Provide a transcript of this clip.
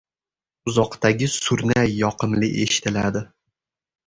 • Uzoqdagi surnay yoqimli eshitiladi.